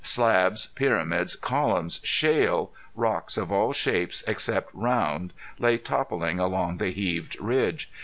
Slabs, pyramids, columns, shale, rocks of all shapes except round, lay toppling along the heaved ridge.